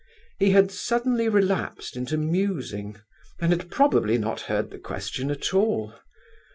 He had suddenly relapsed into musing, and had probably not heard the question at all.